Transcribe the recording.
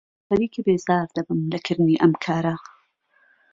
خەریکە بێزار دەبم لە کردنی ئەم کارە.